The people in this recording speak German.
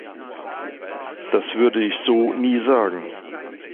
Das würde ich so nie sagen.